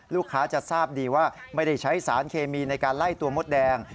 ลูกค้าจะทราบดีว่าไม่ได้ใช้สารเคมีในการไล่ตัวมดแดง